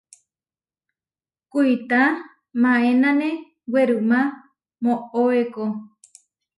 Kuitá maénane werumá moʼóeko.